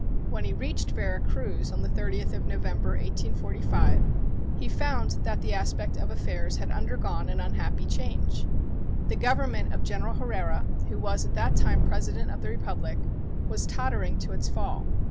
When he reached Vera Cruz, on the 30th of November, 1845, he found that the aspect of affairs had undergone an unhappy change. The Government of General Herrera, who was at that time President of the Republic, was tottering to its fall.